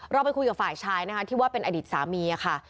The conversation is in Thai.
เราไปคุยกับฝ่ายชายนะคะที่ว่าเป็นอดีตสามีค่ะ